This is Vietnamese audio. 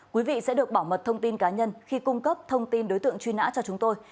quý vị sẽ được bảo mật thông tin cá nhân khi cung cấp thông tin đối tượng truy nã cho chúng tôi